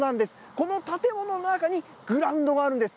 この建物の中にグラウンドがあるんです。